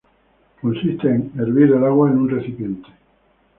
Consiste en: Hervir el agua en un recipiente.